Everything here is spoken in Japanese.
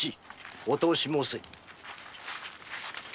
お通し申せ。